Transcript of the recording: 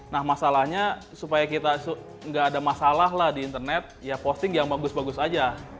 nah masalahnya supaya kita nggak ada masalah lah di internet ya posting yang bagus bagus aja